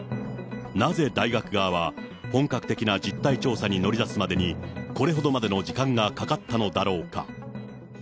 なぜ大学側は本格的な実態調査に乗り出すまでに、これほどまでの時間がかかったのだろうか。